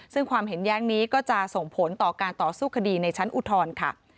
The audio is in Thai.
ซึ่งความเห็นแย้งนี้ก็จะส่งผลต่อการต่อสู้คดีในชั้นอุทธรณ์ค่ะ